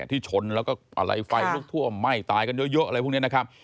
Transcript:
ที่ชนแล้วก็อะไรไฟลุกท่วมไหม้ตายกันเยอะอะไรพวกนี้นะครับ